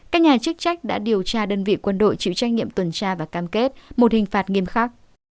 các nhà chức trách đã điều tra đơn vị quân đội chịu trách nhiệm tuần tra và cam kết một hình phạt nghiêm khắc